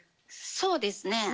そうですね。